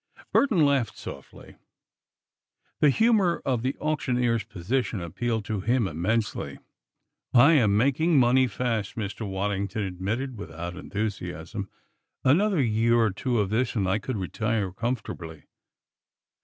Burton laughed softly. The humor of the auctioneer's position appealed to him immensely. "I am making money fast," Mr. Waddington admitted, without enthusiasm. "Another year or two of this and I could retire comfortably."